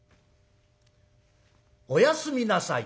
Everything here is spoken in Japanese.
おやすみなさい」。